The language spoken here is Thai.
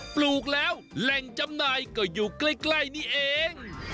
ปลูกแล้วแหล่งจำหน่ายก็อยู่ใกล้นี่เอง